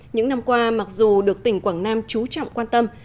những năm qua mặc dù được tỉnh quảng nam trú trọng quan tâm